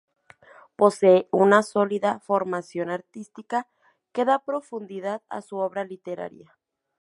Posee una sólida formación artística, que da profundidad a su obra literaria.